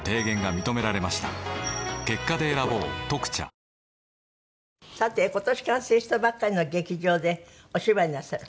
ぷっ事実「特茶」さて今年完成したばっかりの劇場でお芝居なさる？